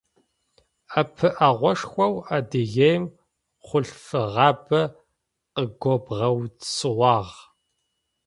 Ӏэпыӏэгъушхоу Адыгеем хъулъфыгъабэ къыгобгъэуцуагъ.